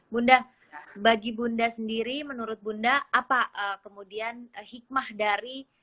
bunda bagi bunda sendiri menurut bunda apa kemudian hikmah dari